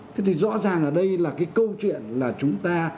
thế thì rõ ràng ở đây là cái câu chuyện là chúng ta